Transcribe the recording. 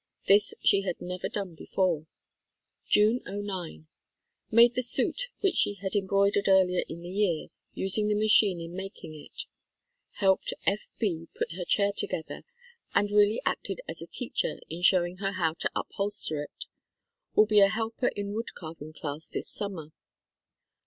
This she had never done before. June, '09. Made the suit which she had em broidered earlier in the year, using the machine in making it. Helped F. B. put her chair together and really acted as a teacher in showing her how to up holster it. Will be a helper in wood carving class this summer.